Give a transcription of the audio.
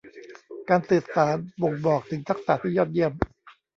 การสื่อสารบ่งบอกถึงทักษะที่ยอดเยี่ยม